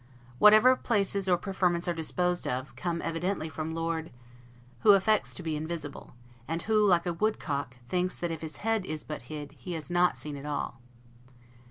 Whatever places or preferments are disposed of, come evidently from Lord , who affects to be invisible; and who, like a woodcock, thinks that if his head is but hid, he is not seen at all.